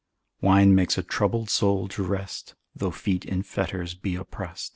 Wine makes a troubled soul to rest, Though feet with fetters be opprest.